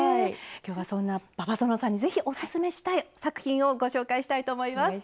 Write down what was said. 今日はそんな馬場園さんにぜひおすすめしたい作品をご紹介したいと思います。